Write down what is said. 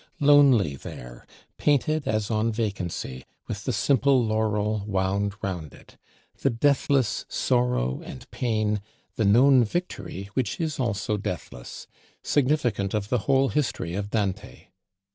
Lonely there, painted as on vacancy, with the simple laurel wound round it; the deathless sorrow and pain, the known victory which is also deathless; significant of the whole history of Dante!